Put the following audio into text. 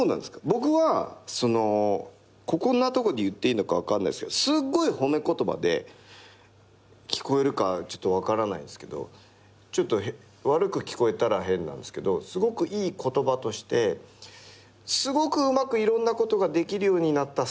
僕はこんなとこで言っていいのか分かんないけどすごい褒め言葉で聞こえるかちょっと分からないですけどちょっと悪く聞こえたら変なんですけどすごくいい言葉としてすごくうまくいろんなことができるようになったサイコパスって。